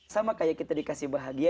sama kayak kita dikasih bahagia